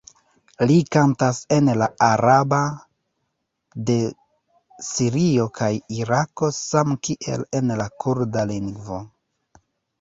Li kantas en la araba de Sirio kaj Irako samkiel en la kurda lingvo.